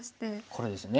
これですね。